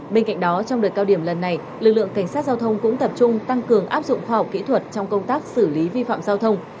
bên cạnh đó trong đợt cao điểm lần này lực lượng cảnh sát giao thông cũng tập trung tăng cường áp dụng khoa học kỹ thuật trong công tác xử lý vi phạm giao thông